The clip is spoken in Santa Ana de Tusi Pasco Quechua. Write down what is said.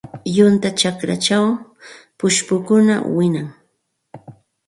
Yunka chakrachaw pushkukunam wiñan.